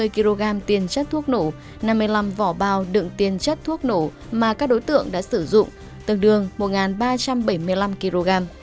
bốn trăm năm mươi kg tiền chất thuốc nổ năm mươi năm vỏ bao đựng tiền chất thuốc nổ mà các đối tượng đã sử dụng tầng đường một ba trăm bảy mươi năm kg